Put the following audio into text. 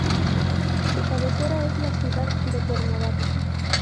Su cabecera es la ciudad de Cuernavaca.